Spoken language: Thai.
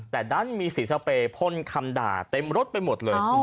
แต่ดันมีสีสเปรยพ่นคำด่าเต็มรถไปหมดเลย